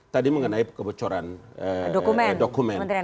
tadi mengenai kebocoran dokumen